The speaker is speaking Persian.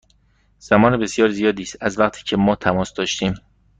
زمان بسیار زیادی است از وقتی که ما تماس داشتیم.